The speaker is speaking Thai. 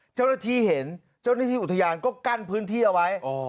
เจ้าหน้าที่เห็นเจ้าหน้าที่อุทยานก็กั้นพื้นที่เอาไว้